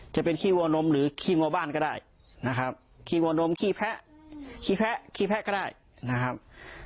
ขี้วัวนมหรือขี้วัวบ้านก็ได้นะครับขี้วัวนมขี้แพะขี้แพะขี้แพะก็ได้นะครับ